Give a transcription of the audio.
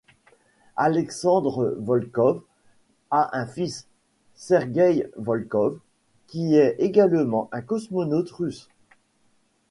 Alexandre Volkov a un fils, Sergueï Volkov, qui est également un cosmonaute russe.